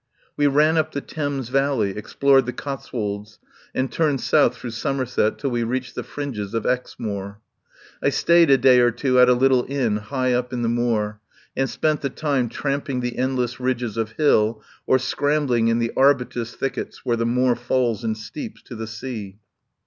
We ran up the Thames valley, explored the Cotswolds, and turned south through Somer set till we reached the fringes of Exmoor. I stayed a day or two at a little inn high up in the moor, and spent the time tramping the endless ridges of hill or scrambling in the arbutus thickets where the moor falls in steeps to the sea.